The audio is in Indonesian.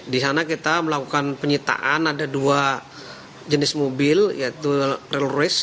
di sana kita melakukan penyitaan ada dua jenis mobil yaitu real race dan mini cooper